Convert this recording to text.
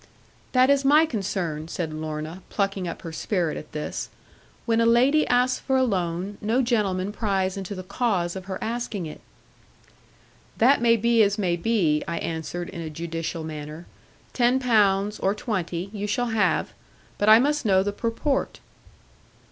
'That is my concern, said Lorna, plucking up her spirit at this: 'when a lady asks for a loan, no gentleman pries into the cause of her asking it.' 'That may be as may be,' I answered in a judicial manner; 'ten pounds, or twenty, you shall have. But I must know the purport.'